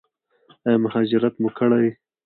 ایا مهاجرت مو کړی؟